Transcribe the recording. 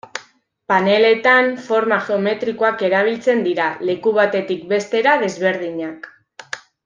Paneletan forma geometrikoak erabiltzen dira, leku batetik bestera desberdinak.